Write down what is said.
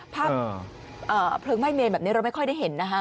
ภาพเพลิงไหม้เมนแบบนี้เราไม่ค่อยได้เห็นนะคะ